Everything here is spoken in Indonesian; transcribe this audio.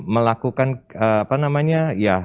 melakukan apa namanya